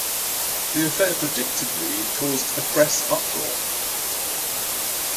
The affair predictably caused a press uproar.